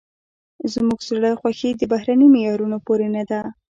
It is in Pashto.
زموږ زړه خوښي د بهرني معیارونو پورې نه ده.